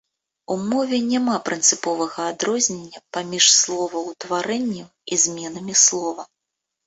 У мове няма прынцыповага адрознення паміж словаўтварэннем і зменамі слова.